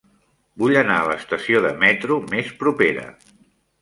Vull anar a l'estació de metro més propera.